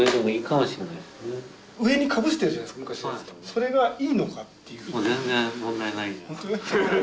それがいいのかっていう。